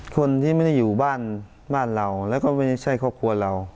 คนที่ไม่ได้อยู่บ้านบ้านเราแล้วก็ไม่ใช่ครอบครัวเรา